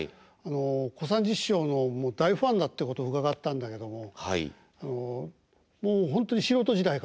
小三治師匠の大ファンだってことを伺ったんだけどももう本当に素人時代から？